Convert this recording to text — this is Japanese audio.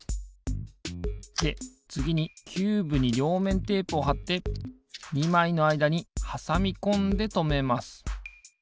でつぎにキューブにりょうめんテープをはって２まいのあいだにはさみこんでとめます。